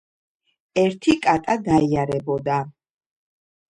ერთი კატა დაიარებოდა.